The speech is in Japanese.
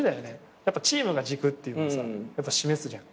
やっぱチームが軸っていうのをさ示すじゃん。